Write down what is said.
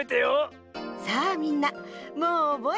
さあみんなもうおぼえたかしら？